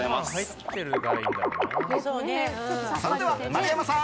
それでは、丸山さん。